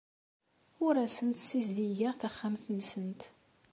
Ur asent-d-ssizdigeɣ taxxamt-nsent.